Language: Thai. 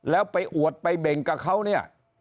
แล้วไปอวดไปเบ่งกับเขาเนี่ย